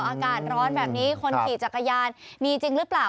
อากาศร้อนแบบนี้คนขี่จักรยานมีจริงหรือเปล่า